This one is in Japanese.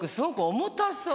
重たそう。